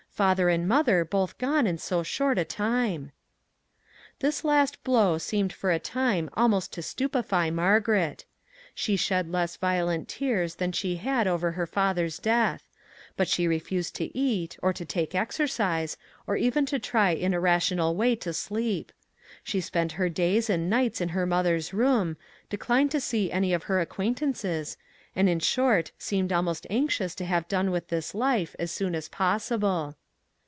father and mother both gone in so short a time." This last blow seemed for a time almost to stupefy Margaret. She shed less violent tears 393 MAG AND MARGARET than she had over her father's death, but she refused to eat, or to take exercise, or even to try in a rational way to sleep; she spent her days and nights in her mother's room, de clined to see any of her acquaintances, and in short seemed almost anxious to have done with this life as soon as possible.